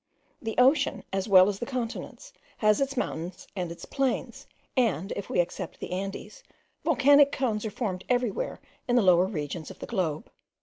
The ocean, as well as the continents, has its mountains and its plains; and, if we except the Andes, volcanic cones are formed everywhere in the lower regions of the globe.